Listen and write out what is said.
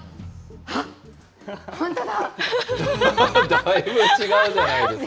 だいぶ違うじゃないですか。